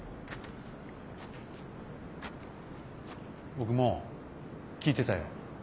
僕も聴いてたよ。